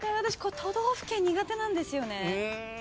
都道府県苦手なんですよね。